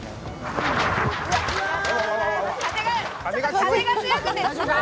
風が強くて。